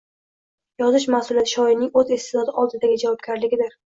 Yozish mas`uliyati shoirning o`z iste`dodi oldidagi javobgarligidir